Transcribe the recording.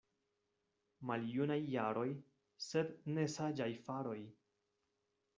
Maljunaj jaroj, sed ne saĝaj faroj.